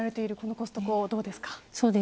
このコストコどうですか。